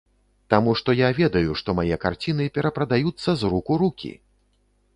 Таму што я ведаю, што мае карціны перапрадаюцца з рук у рукі!